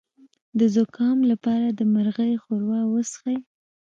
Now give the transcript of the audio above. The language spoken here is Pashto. د زکام لپاره د مرغۍ ښوروا وڅښئ